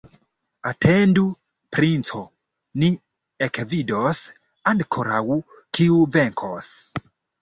Atendu, princo, ni ekvidos ankoraŭ, kiu venkos!